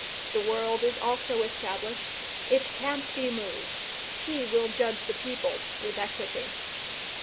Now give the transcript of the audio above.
The world is also established. It can't be moved. He will judge the peoples with equity.